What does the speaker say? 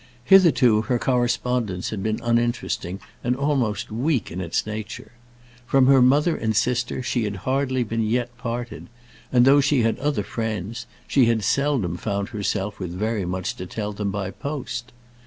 Hitherto her correspondence had been uninteresting and almost weak in its nature. From her mother and sister she had hardly yet been parted; and though she had other friends, she had seldom found herself with very much to tell them by post.